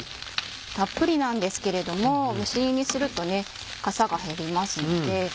たっぷりなんですけれども蒸し煮にするとかさが減りますので。